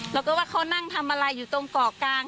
แล้วก็ว่าเขานั่งทำอะไรอยู่ตรงเกาะกลาง